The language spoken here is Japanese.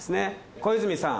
小泉さん。